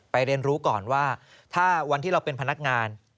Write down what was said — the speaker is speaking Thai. เรียนรู้ก่อนว่าถ้าวันที่เราเป็นพนักงาน